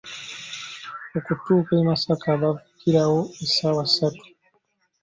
Okutuuka e Masaka bavugirawo essaawa ssatu.